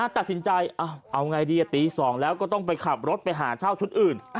ตัดสินใจเอาไงดีตี๒แล้วก็ต้องไปขับรถไปหาเช่าชุดอื่น